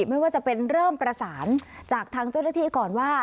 ไม่ว่าจะเป็นเริ่มประสานจากทางเจ้าหน้าที่ก่อนว่า